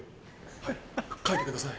はい描いてください。